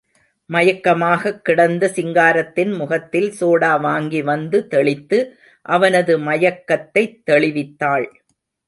மயக்கமாகக்கிடந்த சிங்காரத்தின் முகத்தில் சோடா வாங்கி வந்து தெளித்து, அவனது மயக்கத்தைத் தெளிவித்தாள்.